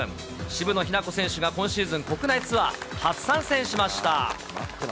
渋野日向子選手が今シーズン、国内ツアー初参戦しました。